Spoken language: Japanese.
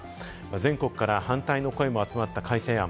全国から反対の声が集まった改正案。